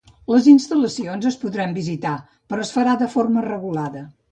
Les instal·lacions es podran visitar però es farà d’una forma regulada.